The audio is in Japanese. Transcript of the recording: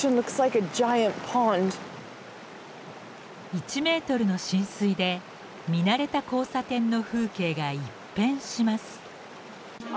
１ｍの浸水で見慣れた交差点の風景が一変します。